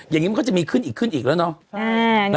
อย่างนี้มันก็จะมีขึ้นอีกขึ้นอีกแล้วเนาะ